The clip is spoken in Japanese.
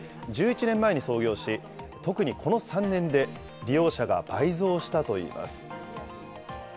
１１年前に創業し、特にこの３年で利用者が倍増したといいます。